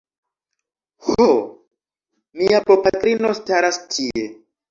Ho... mia bopatrino staras tie